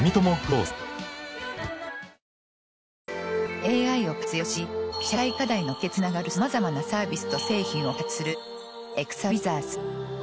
ＡＩを活用し社会課題の解決につながるさまざまなサービスと製品を開発するエクサウィザーズ。